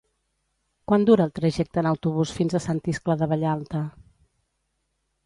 Quant dura el trajecte en autobús fins a Sant Iscle de Vallalta?